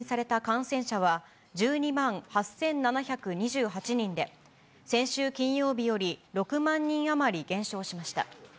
一方、全国で新たに確認された感染者は、１２万８７２８人で、先週金曜日より６万人余り減少しました。